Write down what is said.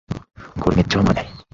これめっちゃうまい